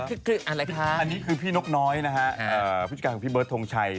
เออมันคลึ้กอะไรคะอันนี้คือพี่นกน้อยนะฮะพูดจากยังคือพี่เเบิร์ศธงชัย